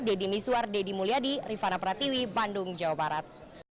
deddy mizwar deddy mulyadi rifana pratiwi bandung jawa barat